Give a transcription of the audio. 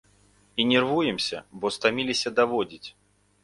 І нервуемся, бо стаміліся даводзіць!